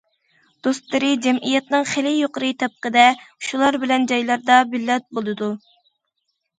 دوستلىرى جەمئىيەتنىڭ خېلى يۇقىرى تەبىقىدە، شۇلار بىلەن چايلاردا بىللە بولىدۇ.